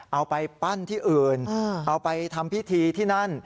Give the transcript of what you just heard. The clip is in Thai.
เอาไปปั้นที่อื่นเอาไปทำพิธีที่นั่น